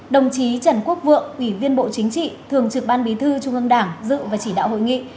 đồng chí trần quốc vượng ủy viên bộ chính trị thường trực ban bí thư trung ương đảng dự và chỉ đạo hội nghị